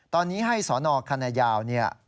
ตอนนี้ให้สคย